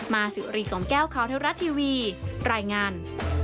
มาสิริของแก้วคาวเทศรัตน์ทีวีรายงาน